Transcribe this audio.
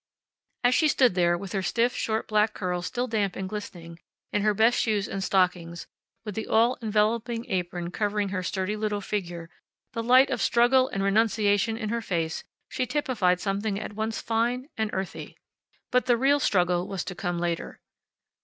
As she stood there, with her stiff, short black curls still damp and glistening, in her best shoes and stockings, with the all enveloping apron covering her sturdy little figure, the light of struggle and renunciation in her face, she typified something at once fine and earthy. But the real struggle was to come later.